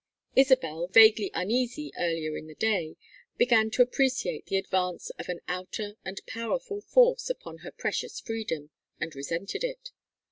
Isabel, vaguely uneasy earlier in the day, began to appreciate the advance of an outer and powerful force upon her precious freedom, and resented it.